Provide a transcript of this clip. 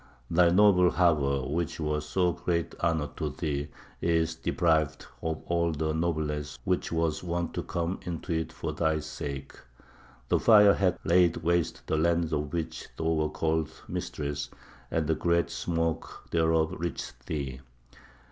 "Thy noble harbour, which was so great honour to thee, is deprived of all the nobleness which was wont to come into it for thy sake. "The fire hath laid waste the lands of which thou wert called Mistress, and the great smoke thereof reacheth thee.